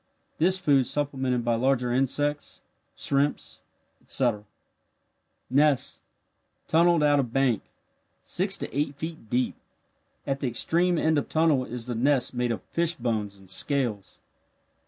This food supplemented by larger insects, shrimps, etc. Nest tunnelled out of bank six to eight feet deep at the extreme end of tunnel is the nest made of fish bones and scales.